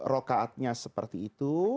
rokaatnya seperti itu